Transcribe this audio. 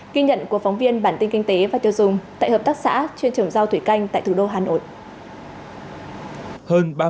kinh nhận của phóng viên bản tin kinh tế và tiêu dùng tại hợp tác xã chuyên trồng rau thủy canh tại thủ đô hà nội